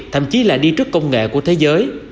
thậm chí là đi trước công nghệ của thế giới